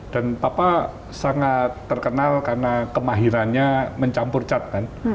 dan papa sangat terkenal karena kemahirannya mencampur cat kan